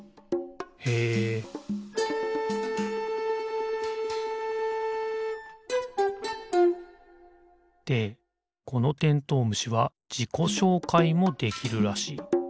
へえでこのてんとう虫はじこしょうかいもできるらしい。